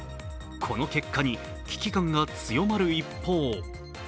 この結果に、危機感が強まる一方